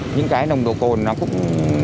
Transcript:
những cái nồng độ cồn nó cũng